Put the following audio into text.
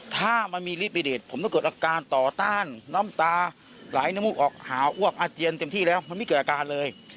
ถ้ามันมีลิปิเดตผมต้องเกิดอาการต่อต้านน้ำตาไหลนมูกออกหาอ้วกอาเจียนเต็มที่แล้วมันไม่เกิดอาการเลย